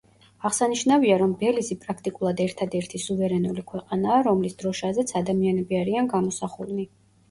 აღსანიშნავია, რომ ბელიზი პრაქტიკულად ერთადერთი სუვერენული ქვეყანაა, რომლის დროშაზეც ადამიანები არიან გამოსახულნი.